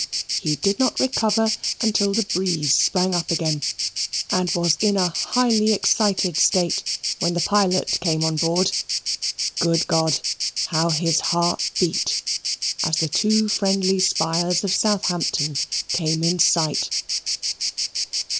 He did not recover until the breeze sprang up again, and was in a highly excited state when the pilot came on board. Good God, how his heart beat as the two friendly spires of Southampton came in sight.